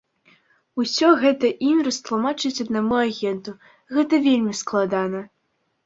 Усё гэта ім растлумачыць аднаму агенту гэта вельмі складана.